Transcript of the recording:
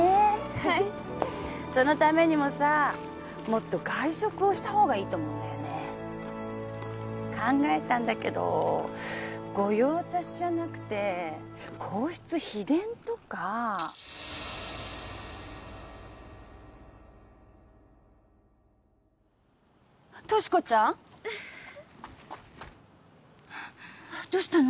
はいそのためにもさもっと外食をしたほうがいいと思うんだ考えたんだけど御用達じゃなくて皇室秘伝とか俊子ちゃん？どうしたの？